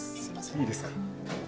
いいですか？